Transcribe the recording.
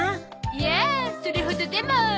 いやあそれほどでも。